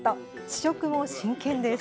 試食も真剣です。